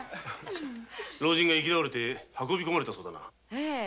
老人が行き倒れで運び込まれたそうだな。